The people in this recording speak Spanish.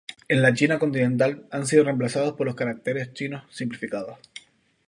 En la China continental han sido reemplazados por los caracteres chinos simplificados.